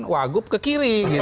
pak gub kanan